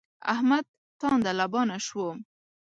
احمد تانده لبانه شو.